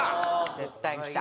絶対きた。